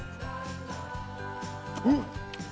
うん！